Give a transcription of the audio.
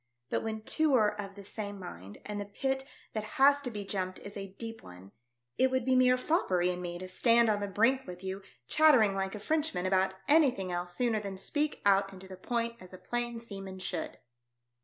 But v/hen two are of the same mind, and the pit that has to be jumped is a deep one, it would be mere foppery in me to stand on the brink with you, chattering like a Frenchman about anything else sooner than speak out and to the point as a plain seaman should."